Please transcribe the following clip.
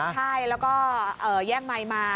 ใช่แล้วก็แย่งไมค์มา